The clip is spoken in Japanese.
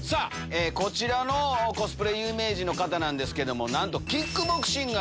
こちらのコスプレ有名人の方なんですけどもなんと。